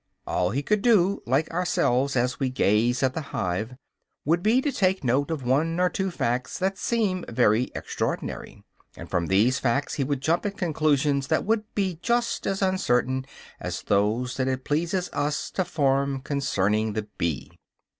All he could do, like ourselves as we gaze at the hive, would be to take note of one or two facts that seem very extraordinary. And from these facts he would jump at conclusions that would be just as uncertain as those that it pleases us to form concerning the bee.